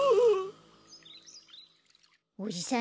おじさん